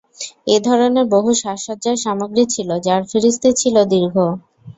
এ ধরনের বহু সাজসজ্জার সামগ্রী ছিল, যার ফিরিস্তি ছিল দীর্ঘ।